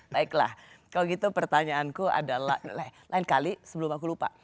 baiklah kalau gitu pertanyaanku adalah lain kali sebelum aku lupa